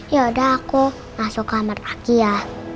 ya udah aku masuk kamar pagi ya